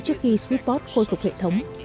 trước khi squidpot khôi phục hệ thống